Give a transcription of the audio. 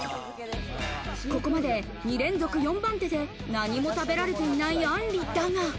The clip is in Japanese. ここまで２連続４番手で何も食べられていないあんりだが。